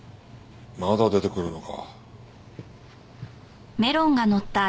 まだ出てくるのか。